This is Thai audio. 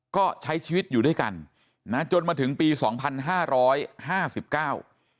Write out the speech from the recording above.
ก็ใช้ชีวิตอยู่ด้วยกันนะจนมาถึงปีสองพันห้าร้อยห้าสิบเก้า